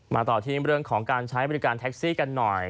ต่อที่เรื่องของการใช้บริการแท็กซี่กันหน่อย